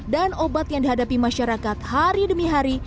dan obat yang dihadapi masyarakat hari demi hari